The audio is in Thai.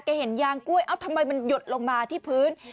เห็นยางกล้วยเอ้าทำไมมันหยดลงมาที่พื้น